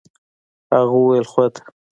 هغه وويل خود.